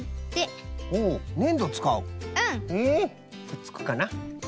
くっつくかな。